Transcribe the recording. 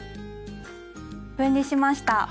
分離しました。